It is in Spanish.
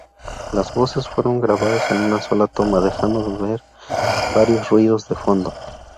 Las voces fueron grabadas en una sola toma, dejando ver varios ruidos de fondo.